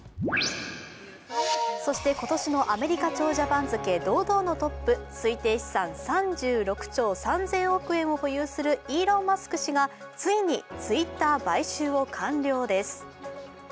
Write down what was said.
そして今年のアメリカ長者番付、堂々の１位、推定資産３６兆３０００億円を保有するイーロン・マスク氏がついにツイッター買収を完了です。